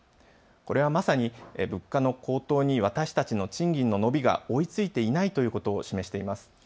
これは、まさに物価の高騰に私たちの賃金の伸びが追いついていないということを示しています。